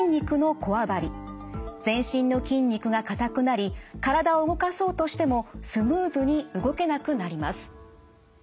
全身の筋肉が硬くなり体を動かそうとしてもスムーズに動けなくなります。